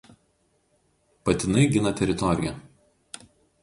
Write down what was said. Patinai gina teritoriją.